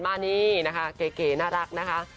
มานี่นะคะเก๋น่ารักนะคะ